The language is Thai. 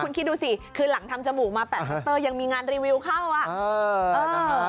คุณคิดดูสิคือหลังทำจมูกมา๘เตอร์ยังมีงานรีวิวเข้าอ่ะ